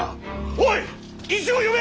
おい医師を呼べ！